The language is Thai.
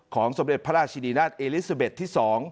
สมเด็จพระราชินีนาฏเอลิซาเบ็ดที่๒